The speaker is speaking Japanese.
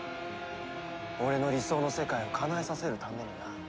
俺の理想の世界をかなえさせるためにな。